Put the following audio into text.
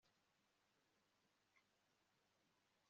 mubwire kwihererana guhanga niba akomeye